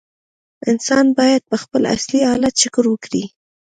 انسان باید په خپل اصلي حالت شکر وکړي.